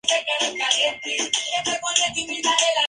Es el centro político, económico y cultural del país.